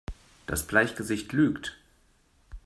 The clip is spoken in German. Das Bleichgesicht lügt!